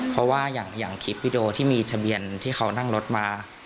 เพราะว่าอย่างคลิปวิดีโอที่มีทะเบียนที่เขานั่งรถมา